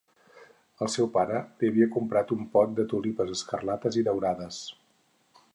El seu pare li havia comprat un pot de tulipes escarlates i daurades.